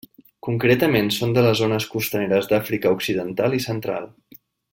Concretament són de les zones costaneres d'Àfrica Occidental i Central.